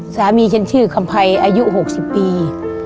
สามีฉันชื่อคำไพอายุ๖๐ปี